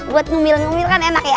buat ngumil ngumil kan enak ya